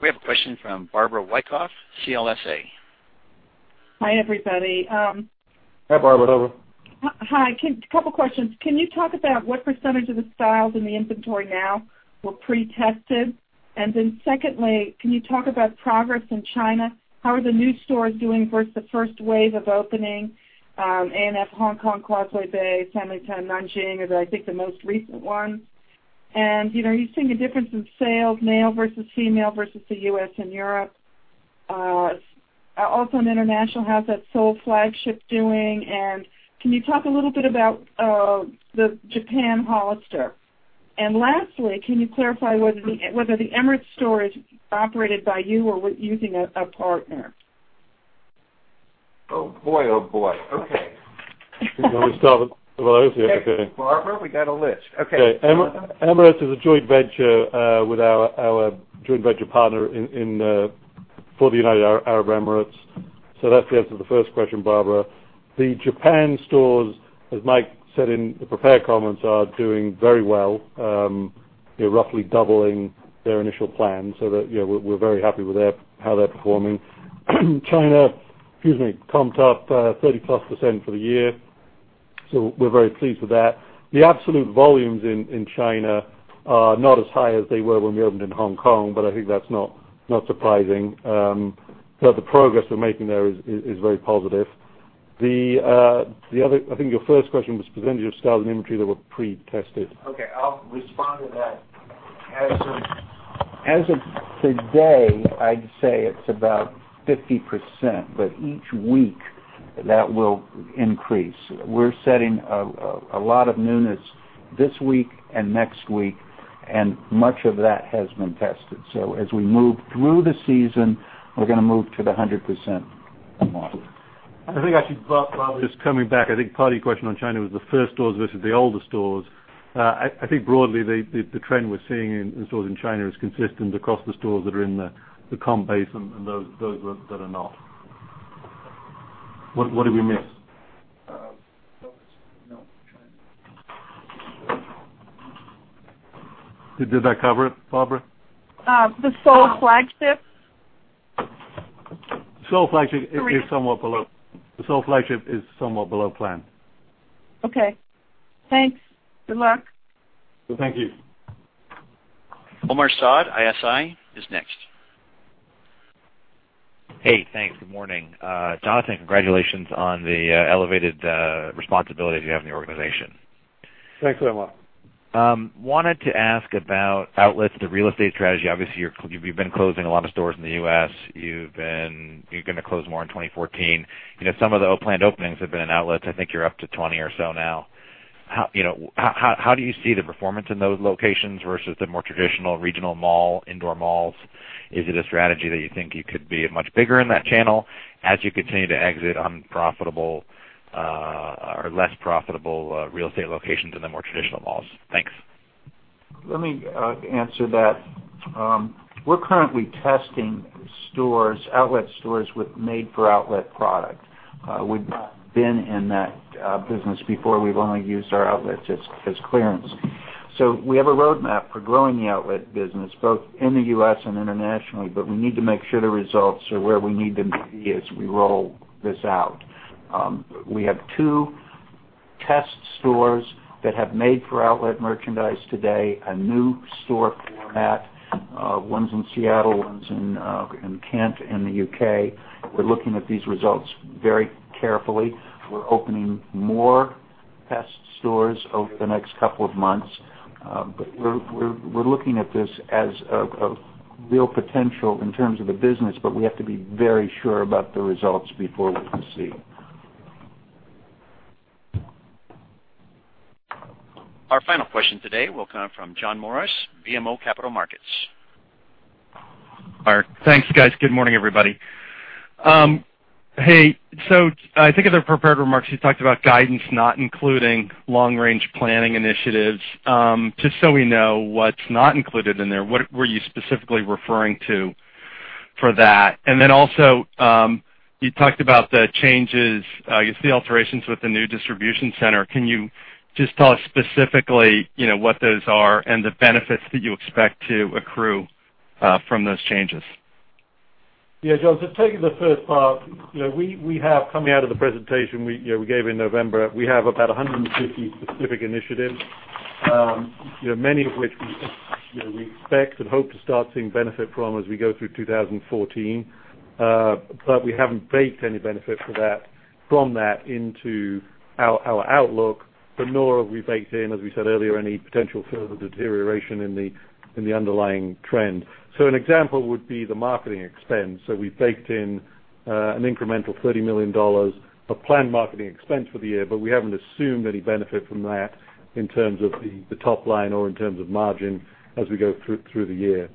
We have a question from Barbara Wyckoff, CLSA. Hi, everybody. Hi, Barbara. Hi. A couple of questions. Can you talk about what percentage of the styles in the inventory now were pre-tested? Secondly, can you talk about progress in China? How are the new stores doing versus the first wave of opening, A&F Hong Kong, Causeway Bay, Sanlitun, Nanjing are, I think, the most recent ones. Are you seeing a difference in sales, male versus female versus the U.S. and Europe? In international, how's that Seoul flagship doing, and can you talk a little bit about the Japan Hollister? Lastly, can you clarify whether the Emirates store is operated by you or using a partner? Oh, boy. Okay. We start with Barbara, we got a list. Okay. Emirates is a joint venture with our joint venture partner for the United Arab Emirates. That's the answer to the first question, Barbara. The Japan stores, as Mike said in the prepared comments, are doing very well. Roughly doubling their initial plan, so that we're very happy with how they're performing. China, excuse me, comp-ed up 30-plus% for the year, so we're very pleased with that. The absolute volumes in China are not as high as they were when we opened in Hong Kong, but I think that's not surprising. The progress we're making there is very positive. I think your first question was percentage of styles and inventory that were pre-tested. Okay. I'll respond to that. As of today, I'd say it's about 50%, but each week that will increase. We're setting a lot of newness this week and next week, and much of that has been tested. As we move through the season, we're going to move to the 100% model. I think I should, Barbara, just coming back, I think part of your question on China was the first stores versus the older stores. I think broadly, the trend we're seeing in stores in China is consistent across the stores that are in the comp base and those that are not. What did we miss? No. Did that cover it, Barbara? The Seoul flagship. Seoul flagship is somewhat below plan. Okay. Thanks. Good luck. Thank you. Omar Saad, ISI, is next. Hey, thanks. Good morning. Jonathan, congratulations on the elevated responsibilities you have in the organization. Thanks very much. Wanted to ask about outlets, the real estate strategy. Obviously, you've been closing a lot of stores in the U.S. You're going to close more in 2014. Some of the planned openings have been in outlets. I think you're up to 20 or so now. How do you see the performance in those locations versus the more traditional regional mall, indoor malls? Is it a strategy that you think you could be much bigger in that channel as you continue to exit unprofitable or less profitable real estate locations in the more traditional malls? Thanks. Let me answer that. We're currently testing outlet stores with made-for-outlet product. We've not been in that business before. We've only used our outlets as clearance. We have a roadmap for growing the outlet business, both in the U.S. and internationally, but we need to make sure the results are where we need them to be as we roll this out. We have two test stores that have made for outlet merchandise today, a new store format. One's in Seattle, one's in Kent in the U.K. We're looking at these results very carefully. We're opening more test stores over the next couple of months. We're looking at this as a real potential in terms of the business, but we have to be very sure about the results before we proceed. Our final question today will come from John Morris, BMO Capital Markets. Thanks, guys. Good morning, everybody. I think in the prepared remarks, you talked about guidance not including long-range planning initiatives. Just so we know what's not included in there, what were you specifically referring to for that? Also, you talked about the changes, I guess the alterations with the new distribution center. Can you just tell us specifically what those are and the benefits that you expect to accrue from those changes? Yeah, John, taking the first part, coming out of the presentation we gave in November, we have about 150 specific initiatives. Many of which we expect and hope to start seeing benefit from as we go through 2014. We haven't baked any benefit from that into our outlook, but nor have we baked in, as we said earlier, any potential further deterioration in the underlying trend. An example would be the marketing expense. We baked in an incremental $30 million of planned marketing expense for the year, but we haven't assumed any benefit from that in terms of the top line or in terms of margin as we go through the year.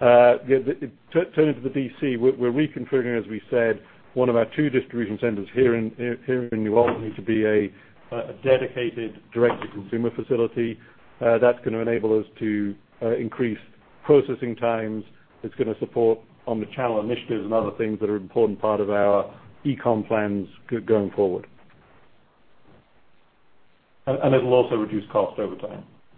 Turning to the DC, we're reconfiguring, as we said, one of our two distribution centers here in New Albany to be a dedicated direct-to-consumer facility. That's going to enable us to increase processing times. It's going to support omnichannel initiatives and other things that are an important part of our e-com plans going forward. It'll also reduce cost over time.